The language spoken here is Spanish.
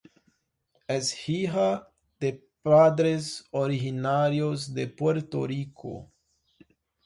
Es hija de padres originarios de Puerto Rico.